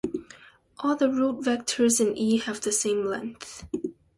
All the root vectors in E have the same length.